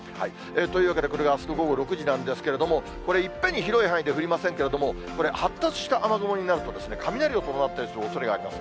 というわけで、これがあすの午後６時なんですけれども、これ、いっぺんに広い範囲で降りませんけれども、これ、発達した雨雲になると、雷を伴っていくおそれがあります。